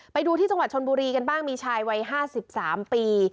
ไปดูที่จังหวัดชนบุรีกันบ้างมีชายวัย๕๓ปี